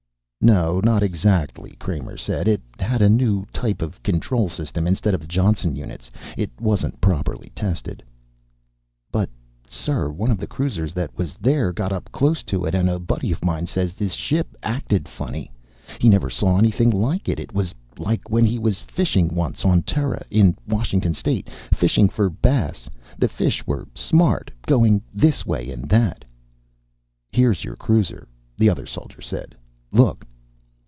"No, not exactly," Kramer said. "It had a new type of control system instead of the Johnson units. It wasn't properly tested." "But sir, one of the cruisers that was there got up close to it, and a buddy of mine says this ship acted funny. He never saw anything like it. It was like when he was fishing once on Terra, in Washington State, fishing for bass. The fish were smart, going this way and that " "Here's your cruiser," the other soldier said. "Look!"